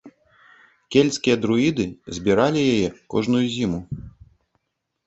Кельцкія друіды збіралі яе кожную зіму.